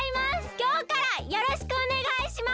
きょうからよろしくおねがいします！